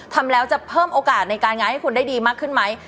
ทำแล้วจะเพิ่มโอกาสในการงานให้คุณได้ดีมากขึ้นไหม